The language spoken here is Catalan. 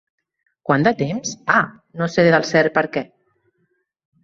"Quant de temps?" "Ah!" "No sé del cert per què."